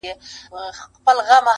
ښایسته مرغه پر دوی باندي خندله -